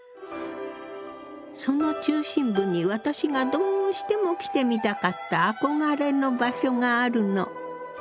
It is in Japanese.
その中心部に私がどうしても来てみたかった憧れの場所があるの。